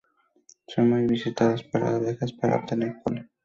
Son muy visitados por las abejas para obtener polen.